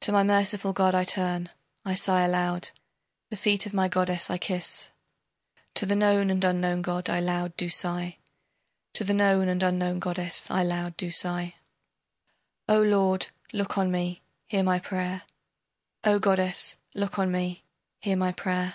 To my merciful god I turn, I sigh aloud, The feet of my goddess I kiss [.] To the known and unknown god I loud do sigh, To the known and unknown goddess I loud do sigh, O lord, look on me, hear my prayer, O goddess, look on me, hear my prayer.